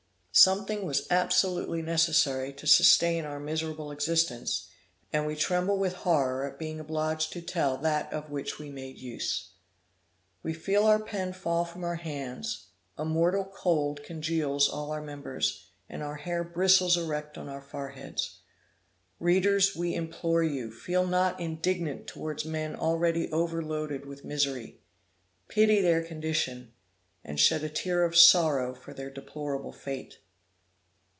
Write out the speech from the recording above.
Something was absolutely necessary to sustain our miserable existence, and we tremble with horror at being obliged to tell that of which we made use. We feel our pen fall from our hands: a mortal cold congeals all our members, and our hair bristles erect on our foreheads. Readers! we implore you, feel not indignant towards men already overloaded with misery. Pity their condition, and shed a tear of sorrow for their deplorable fate.